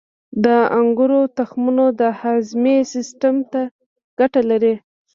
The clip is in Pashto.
• د انګورو تخمونه د هاضمې سیستم ته ګټه لري.